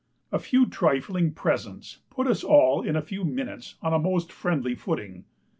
A few trifling presents put us all, in a few minutes, on a most friendly footing.